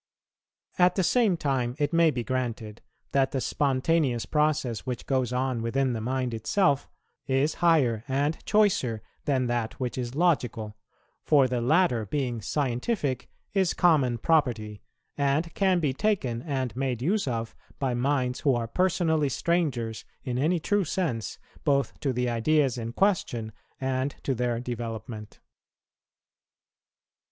At the same time it may be granted that the spontaneous process which goes on within the mind itself is higher and choicer than that which is logical; for the latter, being scientific, is common property, and can be taken and made use of by minds who are personally strangers, in any true sense, both to the ideas in question and to their development.